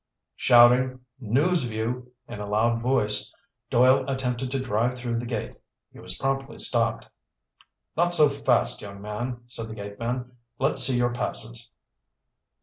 Shouting "News Vue" in a loud voice, Doyle attempted to drive through the gate. He was promptly stopped. "Not so fast, young man," said the gateman. "Let's see your passes."